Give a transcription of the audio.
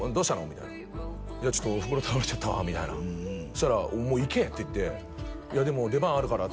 みたいな「いやちょっとおふくろ倒れちゃったわ」みたいなそしたら「もう行け」って言って「でも出番あるから」